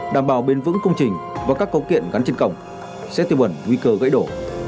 đảm bảo bền vững công trình và các cấu kiện gắn trên cổng sẽ tiêm ẩn nguy cơ gãy đổ